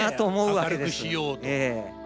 明るくしようと。